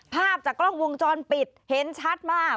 ภาพจากกล้องวงจรปิดเห็นชัดมาก